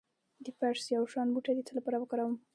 د پرسیاوشان بوټی د څه لپاره وکاروم؟